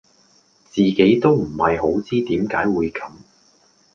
自己都唔係好知點解會咁